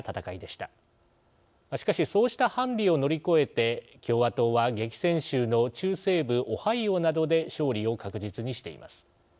しかしそうしたハンディを乗り越えて共和党は激戦州の中西部オハイオなどで勝利を確実にしています。